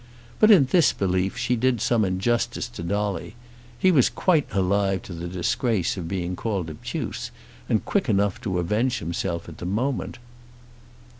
But in this belief she did some injustice to Dolly. He was quite alive to the disgrace of being called obtuse, and quick enough to avenge himself at the moment.